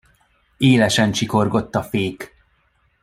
Élesen csikorgott a fék.